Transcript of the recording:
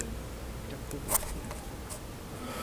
এটা খুব লাকি।